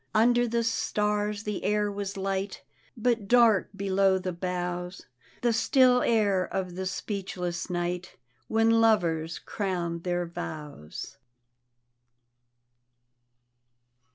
Under the stars the air was light But dark below the boughs, The still air of the ^>cechless night. When lovers crown their vows.